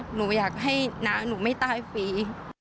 หนูอยากให้น้าหนูไม่ตายฟรี